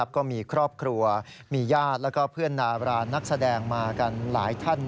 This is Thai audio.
ก็มีครอบครัวมีญาติและเพื่อนดารานักแสดงมากันหลายท่าน